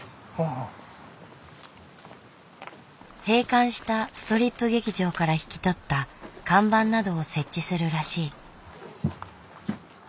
閉館したストリップ劇場から引き取った看板などを設置するらしい。